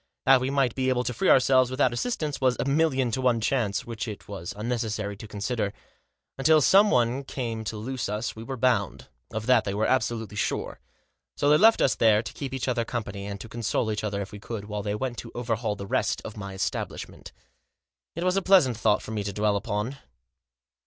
That we might be able to free ourselves without assistance was a million to one chance which it was unnecessary to consider. Until some one came to loose us we were bound. Of that they were absolutely sure. So they left us there to keep each other company, and to console each other if we could, while they went to overhaul the rest of my establishment. It was a pleasant thought for me to dwell upon.